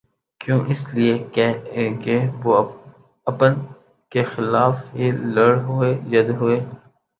کیوں اس لیے کہہ وہ اپن کیخلاف ہی لڑ ہوئے ید ہوئے